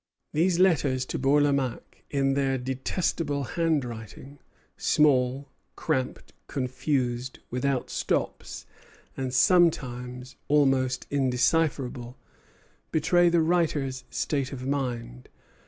These letters to Bourlamaque, in their detestable handwriting, small, cramped, confused, without stops, and sometimes almost indecipherable, betray the writer's state of mind.